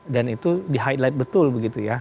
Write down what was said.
dan itu di highlight betul begitu ya